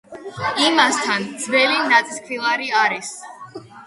იმასთან ძველი ნაწისქვილარი არის.